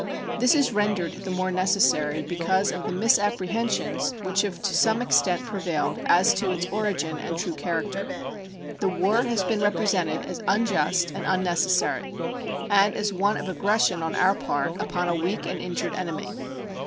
This is rendered the more necessary because of the misapprehensions which have to some extent prevailed as to its origin and true character. The war has been represented as unjust and unnecessary and as one of aggression on our part upon a weak and injured enemy.